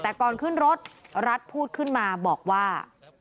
แต่ก่อนขึ้นรถรัฐพูดขึ้นมาบอกว่า